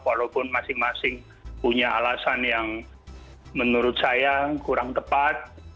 walaupun masing masing punya alasan yang menurut saya kurang tepat